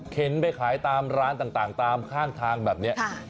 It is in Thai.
ไปขายตามร้านต่างตามข้างทางแบบนี้